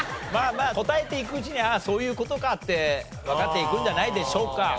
まあまあ答えていくうちにああそういう事かってわかっていくんじゃないでしょうか。